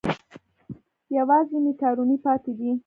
یوازې مېکاروني پاتې ده.